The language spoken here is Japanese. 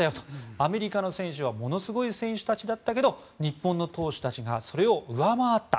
アメリカの選手はものすごい選手たちだったけど日本の投手たちがそれを上回った。